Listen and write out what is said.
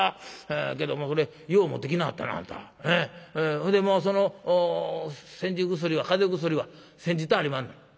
ほいでもうその煎じ薬は風邪薬は煎じてありまんの？